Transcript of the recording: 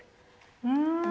うん。